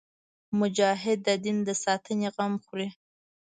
مجاهد د دین د ساتنې غم خوري.